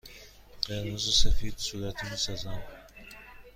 قرمز و سفید صورتی می سازند.